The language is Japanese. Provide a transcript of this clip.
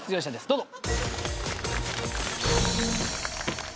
どうぞ。